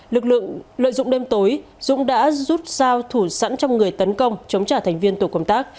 lực lượng lợi dụng đêm tối dũng đã rút sao thủ sẵn trong người tấn công chống trả thành viên tổ công tác